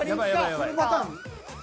そのパターン？